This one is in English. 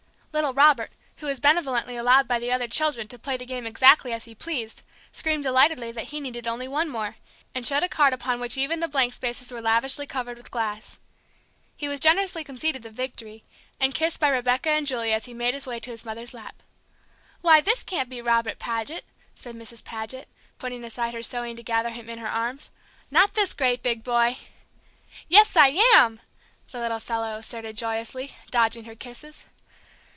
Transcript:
Little Robert, who was benevolently allowed by the other children to play the game exactly as he pleased, screamed delightedly that he needed only one more, and showed a card upon which even the blank spaces were lavishly covered with glass. He was generously conceded the victory, and kissed by Rebecca and Julie as he made his way to his mother's lap. "Why, this can't be Robert Paget!" said Mrs. Paget, putting aside her sewing to gather him in her arms. "Not this great, big boy!" "Yes, I am!" the little fellow asserted joyously, dodging her kisses.